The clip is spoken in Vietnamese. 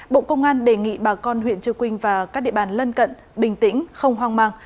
bộ công an đề nghị bà con huyện trư quynh và các địa bàn lân cận bình tĩnh không hoang mang